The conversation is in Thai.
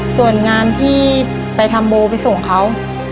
ส่วนงานที่ไปทำโบไปส่งเขา